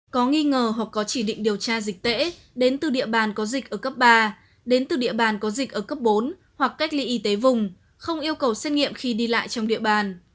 có nghi ngờ hoặc có chỉ định điều tra dịch tễ đến từ địa bàn có dịch ở cấp ba đến từ địa bàn có dịch ở cấp bốn hoặc cách ly y tế vùng không yêu cầu xét nghiệm khi đi lại trong địa bàn